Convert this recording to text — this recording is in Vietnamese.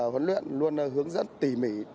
huấn luyện luôn hướng dẫn tỉ mỉ